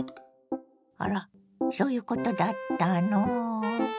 あらそういう事だったの。